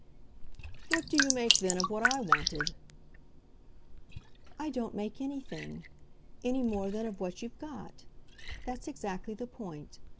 "What do you make then of what I wanted?" "I don't make anything, any more than of what you've got. That's exactly the point.